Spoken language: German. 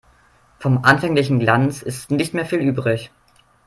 Vom anfänglichen Glanz ist nicht mehr viel übrig.